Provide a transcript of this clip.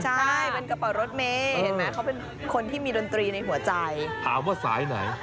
ใช่เป็นกระเป๋ารถเมฆเขาเป็นคนที่มีดนตรีในหัวใจ